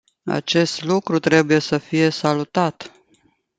Acest lucru trebuie să fie salutat.